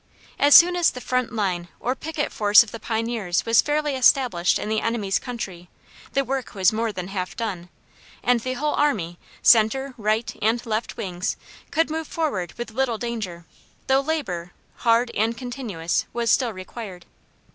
As soon as the front line or picket force of the pioneers was fairly established in the enemies' country, the work was more than half done, and the whole army center, right, and left wings could move forward with little danger, though labor, hard and continuous, was still required.